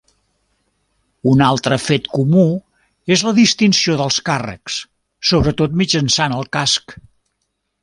Un altre fet comú és la distinció dels càrrecs, sobretot mitjançant el casc.